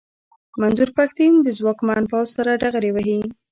منظور پښتين د ځواکمن پوځ سره ډغرې وهي.